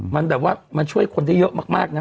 มันแบบว่ามันช่วยคนได้เยอะมากนะ